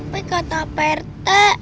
tapi kata perte